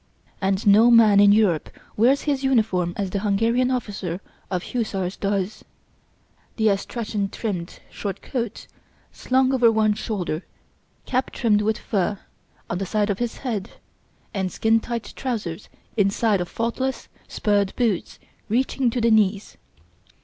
And no man in Europe wears his uniform as the Hungarian officer of hussars does; the astrachan trimmed short coat, slung over one shoulder, cap trimmed with fur, on the side of his head, and skin tight trousers inside of faultless, spurred boots reaching to the knees.